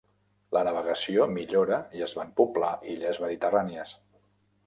La navegació millora i es van poblar illes mediterrànies.